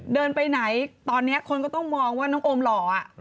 เดินไปไหนตอนนี้คนก็ต้องมองว่าน้องโอมหล่อ